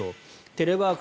テレワーク